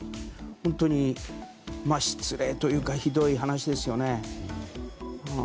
本当に、失礼というかひどい話ですよね。